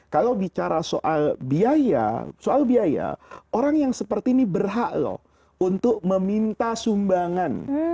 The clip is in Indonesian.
kalau bicara soal biaya soal biaya orang yang seperti ini berhak loh untuk meminta sumbangan